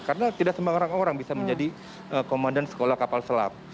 karena tidak semua orang bisa menjadi komandan sekolah kapal selam